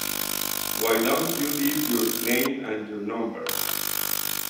Why don't you leave your name and your number?